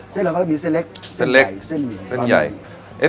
เส้นเราก็มีเส้นเล็กเส้นใหญ่เส้นใหญ่